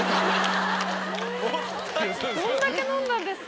どんだけ飲んだんですか。